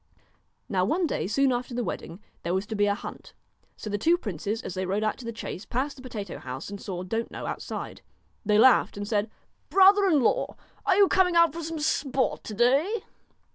Now one day, soon after the wedding, there was to be a hunt. So the two princes, as they rode out to the chase, passed the potato house, and saw Don't know outside. They laughed and said: 'Brother in law, are you coming out for some sport to day